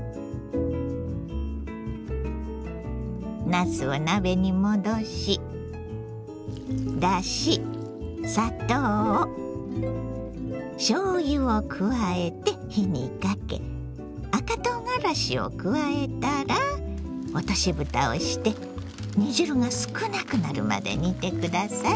なすを鍋にもどしだし砂糖しょうゆを加えて火にかけ赤とうがらしを加えたら落としぶたをして煮汁が少なくなるまで煮て下さい。